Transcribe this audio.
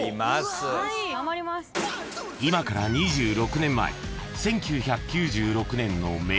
［今から２６年前１９９６年の名言］